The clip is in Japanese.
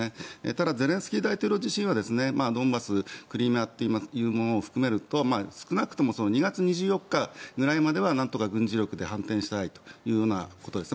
ただ、ゼレンスキー大統領自身はドンバス、クリミアというものを含めると少なくとも２月２４日ぐらいまではなんとか軍事力で反転したいということです。